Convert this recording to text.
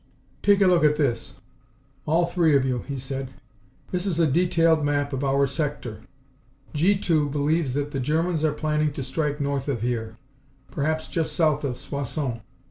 "Take a look at this all three of you," he said. "This is a detailed map of our sector. G 2 believes that the Germans are planning to strike north of here, perhaps just south of Soissons.